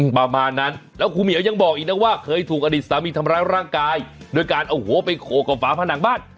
ประมาณนั้นแล้วครูเหมียวยังบอกอีกนะว่าเคยถูกอดีตสามีทำร้ายร่างกายโดยการเอาหัวไปโขกกับฝาผนังบ้าน